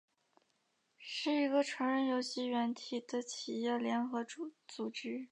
是一个成人游戏软体的企业联合组织。